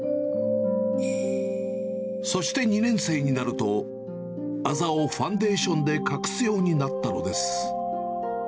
そして２年生になると、あざをファンデーションで隠すようになったのです。